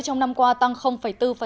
trong năm qua tăng bốn